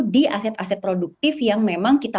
di aset aset produktif yang memang kita